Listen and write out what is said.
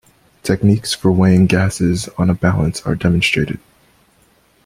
Techniques for weighing gases on a balance are demonstrated.